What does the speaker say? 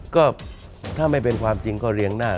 ก็ถ้าไม่เป็นความจริงก็เรียงหน้า